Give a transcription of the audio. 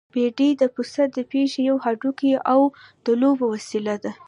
بېډۍ د پسه د پښې يو هډوکی او د لوبو وسيله ده.